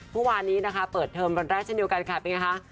เมื่อวานนี้นะคะเปิดเทอมวันแรกเช่นเดียวกันค่ะเป็นไงคะ